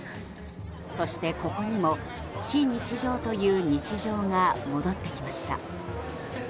そして、ここにも非日常という日常が戻ってきました。